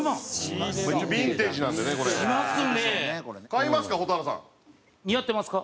買いますか？